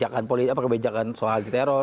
kebijakan soal teror